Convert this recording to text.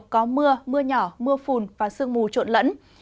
có mưa mưa nhỏ mưa phùn và sương mù trộn lẫn